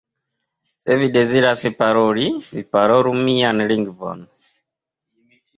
Se vi deziras paroli, vi parolu mian lingvon".